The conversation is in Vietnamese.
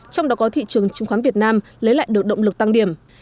trong đó có thị trường chứng khoán việt nam lấy lại được động lực tăng điểm